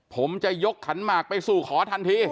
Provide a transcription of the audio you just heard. ผมจะยกขันหมากไปสู่ขอทันที